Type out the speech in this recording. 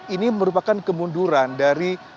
ini merupakan kemunduran dari